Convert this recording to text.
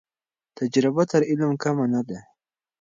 تجربه تر علم کمه نه ده.